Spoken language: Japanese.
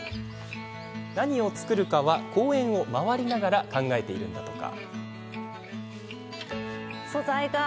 何を作るかは、公園を回りながら考えているんだとか。